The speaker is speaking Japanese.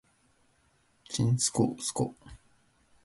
ちんすこうすこ